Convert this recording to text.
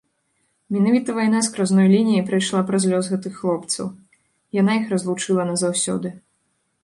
Менавіта вайна скразною лініяй прайшла праз лёс гэтых хлопцаў, яна іх разлучыла назаўсёды.